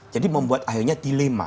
jadi membuat akhirnya dilema